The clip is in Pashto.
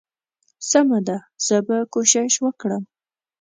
سمه ده زه به کوشش وکړم.